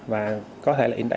và có thể là yên tĩnh